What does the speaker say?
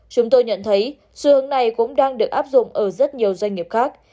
chúng tôi nhận thấy xu hướng này cũng đang được áp dụng ở rất nhiều doanh nghiệp khác